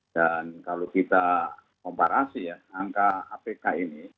dan kalau kita komparasi ya angka apk ini